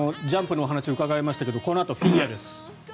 ジャンプの話を伺いましたけどこのあとフィギュアです。